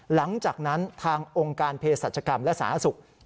หลังจากนั้นทางองค์การเพศรัชกรรมและสถานศักดิ์ศุกร์